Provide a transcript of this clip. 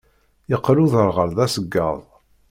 Iqqel uderɣal d aṣeggad.